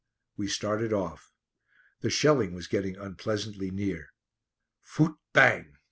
We started off. The shelling was getting unpleasantly near. Phoot bang!